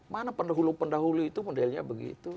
mana pendahulu pendahulu itu modelnya begitu